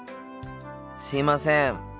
すいません。